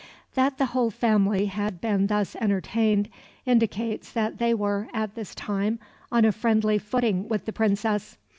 That the whole family had been thus entertained indicates that they were at this time on a friendly footing with the Princess.